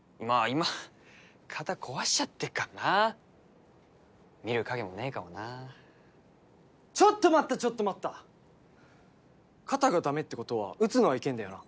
今肩壊しちゃってっからな見る影もねえかもなちょっと待ったちょっと待った肩がダメってことは打つのはいけんだよな？